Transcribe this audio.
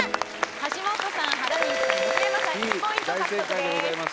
原西さん横山さん１ポイント獲得です